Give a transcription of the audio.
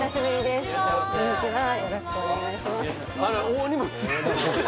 よろしくお願いします